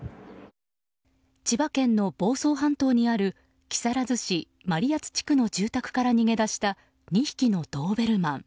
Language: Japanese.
千葉県の房総半島にある木更津市真里谷地区の住宅から逃げ出した２匹のドーベルマン。